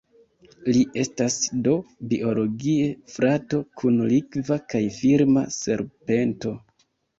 Li estas do "biologie" frato kun Likva kaj Firma serpento.